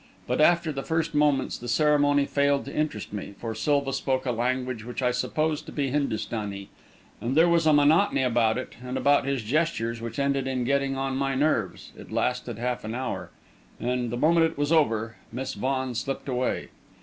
But, after the first moments, the ceremony failed to interest me; for Silva spoke a language which I supposed to be Hindustani, and there was a monotony about it and about his gestures which ended in getting on my nerves. It lasted half an hour, and the moment it was over, Miss Vaughan slipped away.